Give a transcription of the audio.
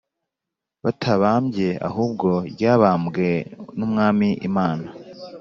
batabambye ahubwo ryabambwe n Umwami Imana